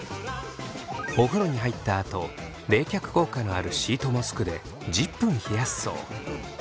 お風呂に入ったあと冷却効果のあるシートマスクで１０分冷やすそう。